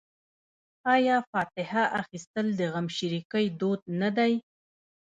آیا فاتحه اخیستل د غمشریکۍ دود نه دی؟